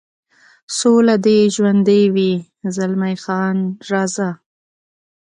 سوله دې ژوندی وي، زلمی خان: راځه.